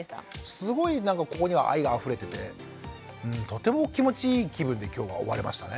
すごいなんかここには愛があふれててとても気持ちいい気分で今日は終われましたね。